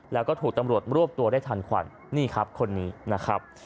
แล้วก็ถูกตำรวจรวบตัวได้ทันควันนี่ครับคนนี้นะครับ